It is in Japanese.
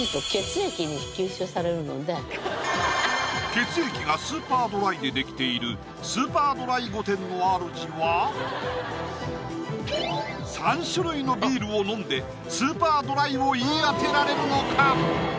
血液がスーパードライで出来ているスーパードライ御殿のあるじは３種類のビールを飲んでスーパードライを言い当てられるのか？